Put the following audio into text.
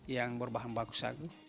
yang berbahan bagus